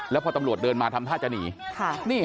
แล้วพอตำรวจเดินมาทำท่าจะหนี